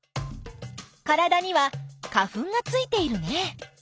体には花粉がついているね。